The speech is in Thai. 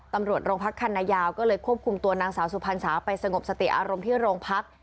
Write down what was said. ตำรวจโรงพักคันนายาวก็เลยควบคุมตัวนางสาวสุพรรษาไปสงบสติอารมณ์ที่โรงพัก